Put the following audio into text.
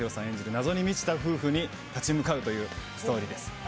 演じる謎に満ちた夫婦に立ち向かうというストーリーです